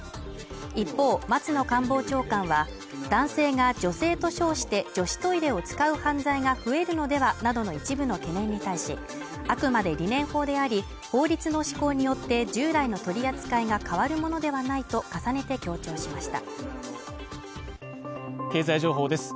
一方、松野官房長官は男性が女性と称して女子トイレを使う犯罪が増えるのではなどの一部の懸念に対し、あくまで理念法であり、法律の施行によって従来の取り扱いが変わるものではないと重ねて強調しました。